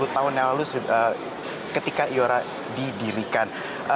dua puluh tahun yang lalu ketika eora didirikan